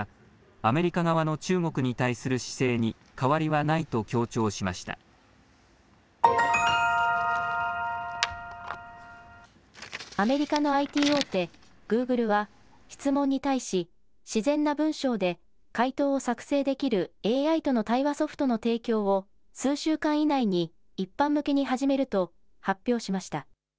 アメリカのＩＴ大手、グーグルは質問に対し自然な文章で回答を作成できるＡＩとの対話ソフトの提供を数週間以内に一般向けに始めると発表しました。